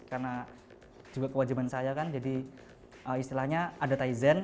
karena juga kewajiban saya kan jadi istilahnya ada tizen